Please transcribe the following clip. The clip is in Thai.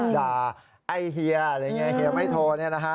ด่าไอ้เฮียอะไรอย่างนี้เฮียไม่โทรนะ